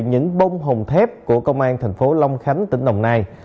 những bông hồng thép của công an thành phố long khánh tỉnh đồng nai